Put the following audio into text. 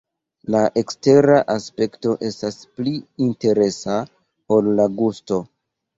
La ekstera aspekto estas pli interesa ol la gusto.